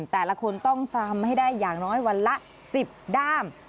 แต่ละคนต้องทำให้ได้อย่างน้อยวันละ๑๐ด้าม